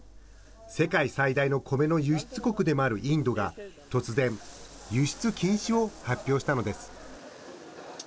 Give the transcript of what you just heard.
世界最大のコメの輸出国でもあるインドが、突然、輸出禁止を発表したのです。